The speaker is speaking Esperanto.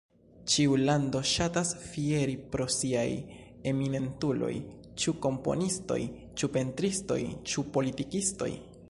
Ĉiu lando ŝatas fieri pro siaj eminentuloj, ĉu komponistoj, ĉu pentristoj, ĉu politikistoj...